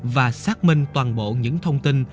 và xác minh toàn bộ những thông tin